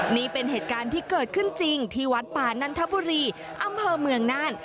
นี่เป็นเหตุการณ์ที่เกิดขึ้นจริงที่วัดป่านันทบุรีอำเภอเมืองน่าน